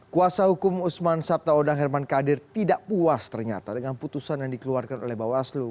kuasa hukum usman sabtaodang herman kadir tidak puas ternyata dengan putusan yang dikeluarkan oleh bawaslu